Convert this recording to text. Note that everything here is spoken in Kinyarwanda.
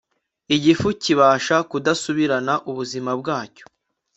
Igifu kibasha kudasubirana ubuzima bwacyo